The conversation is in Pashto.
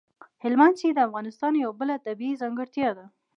هلمند سیند د افغانستان یوه بله طبیعي ځانګړتیا ده.